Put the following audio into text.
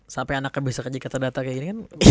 sampai anaknya bisa kejikatan data kayak gini kan